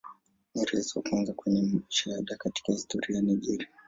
Ni rais wa kwanza mwenye shahada katika historia ya Nigeria.